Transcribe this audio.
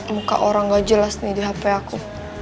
muka orang gak jelas nih di hp aku